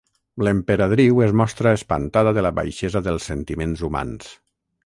L'emperadriu es mostra espantada de la baixesa dels sentiments humans.